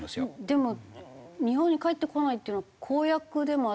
でも日本に帰ってこないっていうのは公約でもあったんですよね？